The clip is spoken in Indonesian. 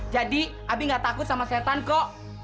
jadi abi nggak takut sama setan kok